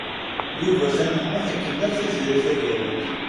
Yugurten U Muḥ ikellex Tiziri Tagawawt.